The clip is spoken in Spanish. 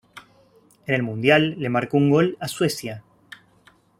En el Mundial le marcó un gol a Suecia.